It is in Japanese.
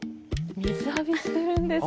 水浴びしてるんですよ。